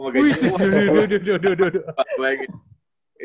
lu isi sendiri ya